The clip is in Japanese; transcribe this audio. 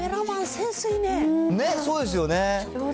ね、そうですよね。